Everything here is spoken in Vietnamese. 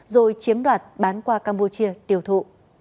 rồi chiếm đoạt bán qua campuchia tiêu thụ